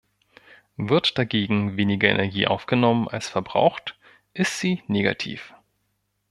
Wird dagegen weniger Energie aufgenommen als verbraucht, ist sie negativ.